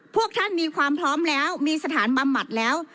พวกท่านมีความพร้อมแล้วมีสถานบำบัดแล้ว